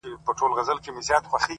نه لري هيـڅ نــنــــگ!